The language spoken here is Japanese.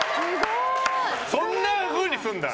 そんなふうにするんだ。